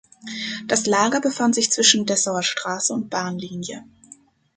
Das Lager befand sich zwischen Dessauer Straße und Bahnlinie.